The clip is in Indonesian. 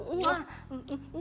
udah mami kiss mulu